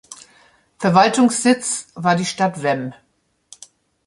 Verwaltungssitz war die Stadt Wem.